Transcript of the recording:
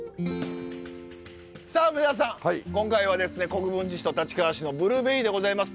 国分寺市と立川市のブルーベリーでございます。